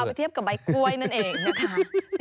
ไปเทียบกับใบกล้วยนั่นเองนะคะ